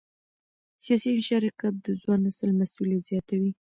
سیاسي مشارکت د ځوان نسل مسؤلیت زیاتوي